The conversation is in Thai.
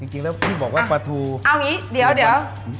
จริงแล้วพี่บอกว่าปลาถูเอาอันนี้เดี๋ยวกลับแล้น